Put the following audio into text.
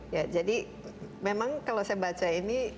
ya jadi memang kalau saya baca ini